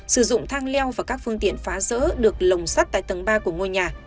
sử dụng thang leo và các phương tiện phá rỡ được lồng sắt tại tầng ba của ngôi nhà